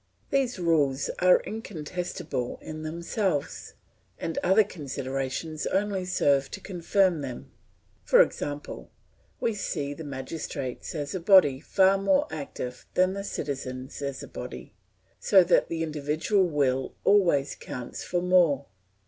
These rules are incontestable in themselves, and other considerations only serve to confirm them. For example, we see the magistrates as a body far more active than the citizens as a body, so that the individual will always counts for more.